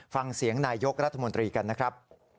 ฟังเสียงนายยกรัฐมนตรีกันนะครับ